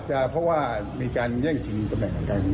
ไหนว่านายอย่างนี้